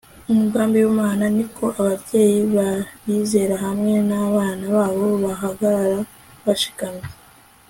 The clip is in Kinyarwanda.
umugambi w'imana ni uko ababyeyi b'abizera hamwe n'abana babo bahagarara bashikamye